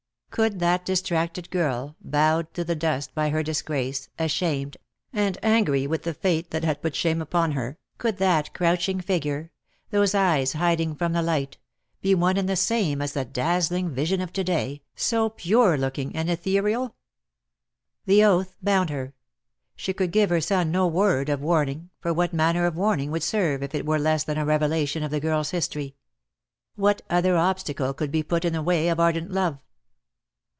Could that distracted girl, bowed to the dust by her disgrace, ashamed, and angry with the fate that had put shame upon her, could that crouching figure, those eyes hiding from the light, be one and the same as the dazzling vision of to day, so pure looking and ethereal? The oath bound her. She could give her son no word of warning, for what manner of warning would serve if it were less than a revelation of the girl's history? What other obstacle could be put in the way of ardent love?